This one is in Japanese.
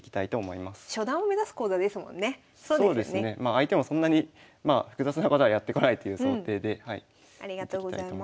相手もそんなにまあ複雑なことはやってこないという想定で見ていきたいと思います。